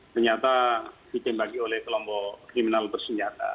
ternyata ditembaki oleh kelompok kriminal bersenjata